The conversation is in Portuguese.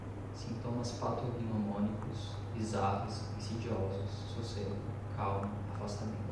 sintomas patognomônicos, bizarras, insidiosos, sossego, calma, afastamento